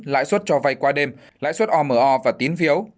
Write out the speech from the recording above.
lãi suất cho vay qua đêm lãi suất omo và tín phiếu